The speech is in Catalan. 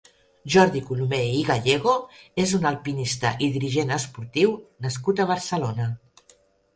Jordi Colomer i Gallego és un alpinista i dirigent esportiu nascut a Barcelona.